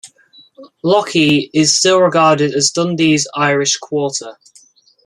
Lochee is still regarded as Dundee's Irish 'quarter'.